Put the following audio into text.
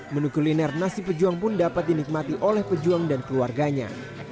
menu kuliner nasi pejuang pun dapat dinikmati oleh pejuang dan keluarganya